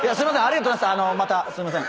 またすいません。